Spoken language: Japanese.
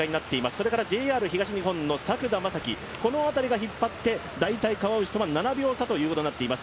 それからＪＲ東日本の作田将希、この辺りが引っ張って大体、川内とは７秒差ということになっています。